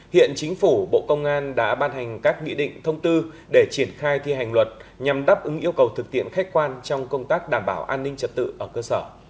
hiện chính phủ bộ công an đã ban hành các nghị định thông tư để triển khai thi hành luật nhằm đáp ứng yêu cầu thực tiện khách quan trong công tác đảm bảo an ninh trật tự ở cơ sở